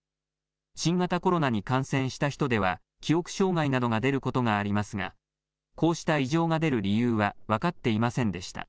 新型コロナに感染した人では記憶障害などが出ることがありますが、こうした異常が出る理由は分かっていませんでした。